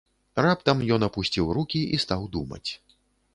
Раптам ён апусціў рукі і стаў думаць.